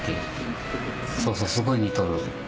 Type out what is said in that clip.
そうそうすごい似とる。